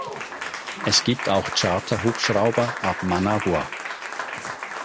Es gibt auch Charter-Hubschrauber ab Managua.